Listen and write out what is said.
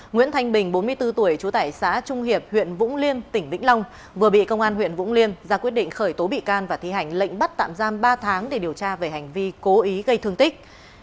nguyễn thanh bình bốn mươi bốn tuổi trú tại xã trung hiệp huyện vũng liêm tỉnh vĩnh long vừa bị công an huyện vũng liêm ra quyết định khởi tố bị can và thi hành lệnh bắt tạm giam ba tháng để điều tra về hành vi cố ý gây thương tích